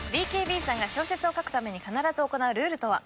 ＢＫＢさんが小説を書くために必ず行うルールとは？